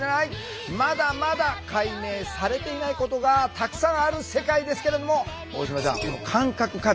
まだまだ解明されていないことがたくさんある世界ですけれども大島ちゃん